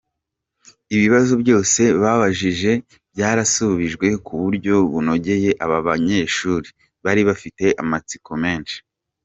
Ibibazo byose babajije byarasubijwe ku buryo bunogeye aba banyeshuri bari bafite amatsiko menshi.